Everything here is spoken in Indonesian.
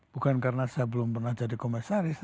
bukan karena saya belum pernah jadi komisaris